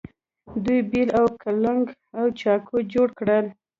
دوی بیل او کلنګ او چاقو جوړ کړل.